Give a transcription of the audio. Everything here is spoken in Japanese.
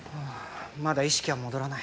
まだ意識は戻らない。